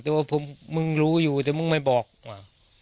แต่ว่าผมมึงรู้อยู่แต่มึงไม่บอกว่า